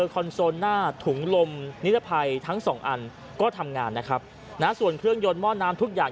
คอนโซลหน้าถุงลมนิรภัยทั้งสองอันก็ทำงานนะครับนะส่วนเครื่องยนต์หม้อน้ำทุกอย่าง